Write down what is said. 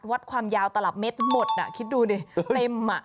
วัดความยาวตลับเม็ดหมดคิดดูดิเต็มอ่ะ